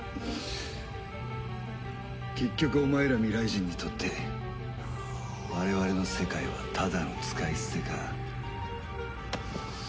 結局お前ら未来人にとって我々の世界はただの使い捨てか。